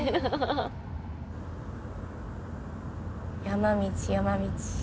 山道山道。